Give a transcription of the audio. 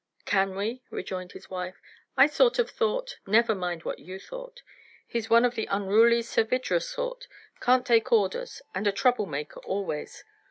"Can we?" rejoined his wife. "I sort of thought " "Never mind what you thought. He's one of the unruly, servigerous sort; can't take orders, and a trouble maker always.